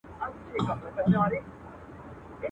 یا شریک دي د ناولو یا پخپله دي ناولي.